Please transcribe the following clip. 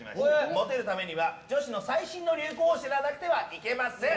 モテるためには女子の最新の流行を知らなくてはいけません。